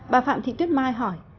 bà phạm thị tuyết mai hỏi